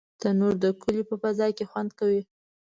تنور د کلیو په فضا کې خوند کوي